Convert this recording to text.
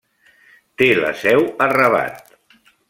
Té la seu a Rabat.